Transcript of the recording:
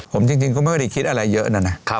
ผมจริงก็ไม่ได้คิดอะไรเยอะนะนะ